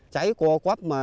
cháy qua quắp